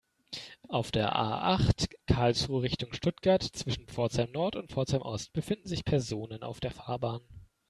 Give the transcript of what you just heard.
Auf der A-acht, Karlsruhe Richtung Stuttgart, zwischen Pforzheim-Nord und Pforzheim-Ost befinden sich Personen auf der Fahrbahn.